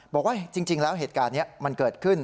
บอกว่าจริงแล้วเหตุการณ์นี้มันเกิดขึ้น